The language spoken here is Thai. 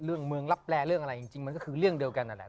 เมืองรับแร่เรื่องอะไรจริงมันก็คือเรื่องเดียวกันนั่นแหละ